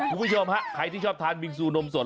คุณผู้ชมฮะใครที่ชอบทานบิงซูนมสด